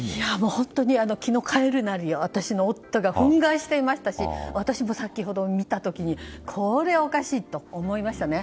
本当に昨日帰るなり、私の夫が憤慨していましたし私も先ほど、見た時にこれ、おかしい！と思いましたね。